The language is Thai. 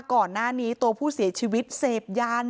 ก่อนหน้านี้ตัวผู้เสียชีวิตเสพยา